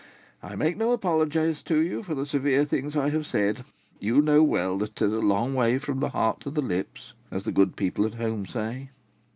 I make no apologies to you for the severe things I have said; you know well that 'it is a long way from the heart to the lips,' as the good people at home say.